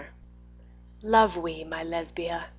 Love we (my Lesbia!)